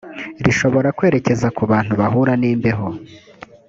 rishobora kwerekeza ku bantu bahura nimbeho